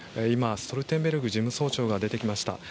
今ストルテンベルグ事務総長が出てきました。